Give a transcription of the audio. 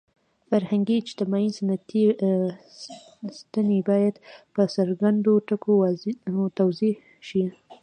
فرهنګي – اجتماعي ستنې باید په څرګندو ټکو توضیح شي.